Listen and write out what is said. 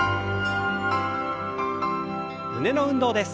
胸の運動です。